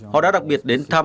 họ đã đặc biệt đến thăm